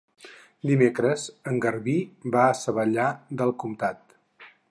Dimecres en Garbí va a Savallà del Comtat.